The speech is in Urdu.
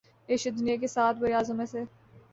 ایشیا دنیا کے سات براعظموں میں سے